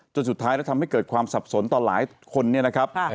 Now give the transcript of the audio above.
สุดท้ายแล้วทำให้เกิดความสับสนต่อหลายคนเนี่ยนะครับ